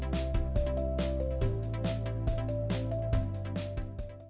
terima kasih orang atau channel percaya di indonesia